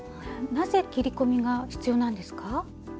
なぜ切り込みが必要なんですか？